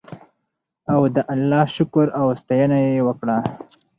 او د الله شکر او ستاینه یې وکړه.